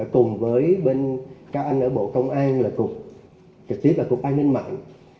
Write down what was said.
cùng với các anh ở bộ công an là cục an ninh mạng